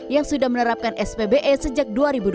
yang sudah menerapkan spbe sejak dua ribu dua puluh